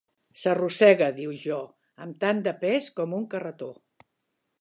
"S'arrossega," diu Jo, "amb tant de pes com un carretó."